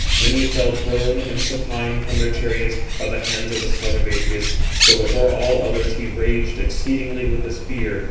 Many fell prone and supine from their chariots, by the hands of the son of Atreus; for before [all others] he raged exceedingly with the spear.